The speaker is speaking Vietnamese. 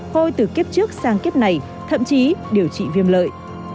hôi từ kiếp trước sang kiếp này thậm chí điều trị viêm lợi